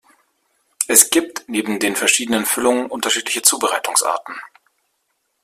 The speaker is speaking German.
Es gibt, neben den verschiedenen Füllungen, unterschiedliche Zubereitungsarten.